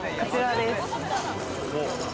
こちらです。